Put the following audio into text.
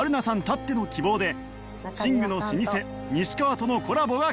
たっての希望で寝具の老舗西川とのコラボが決定！